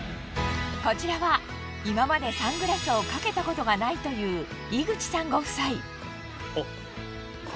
こちらは今までサングラスをかけたことがないというおっ。